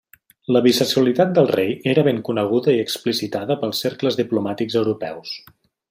La bisexualitat del rei era ben coneguda i explicitada pels cercles diplomàtics europeus.